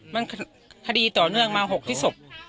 มันคดีต่อเนื่องมา๖ที่ศพ